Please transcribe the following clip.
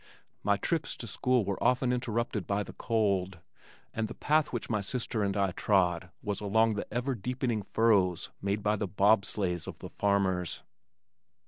My trips to school were often interrupted by the cold, and the path which my sister and I trod was along the ever deepening furrows made by the bob sleighs of the farmers.